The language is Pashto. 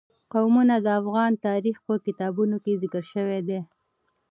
قومونه د افغان تاریخ په کتابونو کې ذکر شوی دي.